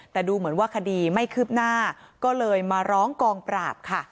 แต่ดูเหมือนว่าคดีไม่คืบหน้าก็เลยมาร้องกองปราบค่ะ